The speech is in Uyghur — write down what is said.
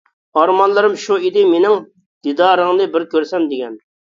ئارمانلىرىم شۇ ئىدى مىنىڭ، دىدارىڭنى بىر كۆرسەم دېگەن.